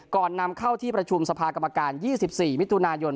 ก่อนนำเข้าที่ประชุมสภากรรมการ๒๔มิถุนายน